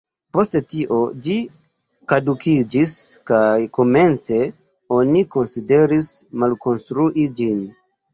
Post tio ĝi kadukiĝis, kaj komence oni konsideris malkonstrui ĝin.